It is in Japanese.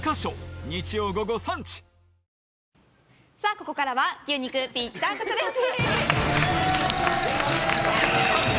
ここからは牛肉ぴったんこチャレンジ！